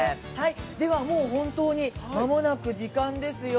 ではもう本当に、間もなく時間ですよ。